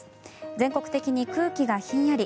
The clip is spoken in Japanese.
全国的に空気がひんやり。